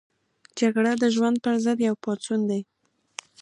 جګړه د ژوند پر ضد یو پاڅون دی